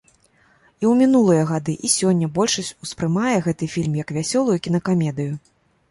І ў мінулыя гады, і сёння большасць успрымае гэты фільм як вясёлую кінакамедыю.